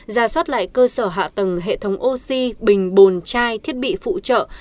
gia soát lại cơ sở hạ tầng hệ thống oxy bình bồn chai thiết bị phụ trợ